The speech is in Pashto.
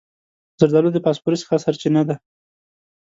زردالو د فاسفورس ښه سرچینه ده.